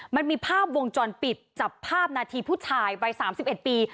มันมีภาพวงจรปิดจับภาพนาทีผู้ชายใบสามสิบเอ็ดปี